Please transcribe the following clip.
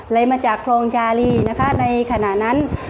ไหลมาจากโครงจารีในขณะนั้น